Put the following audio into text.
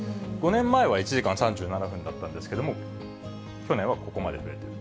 ５年前は１時間３７分だったんですけども、去年はここまで増えてる。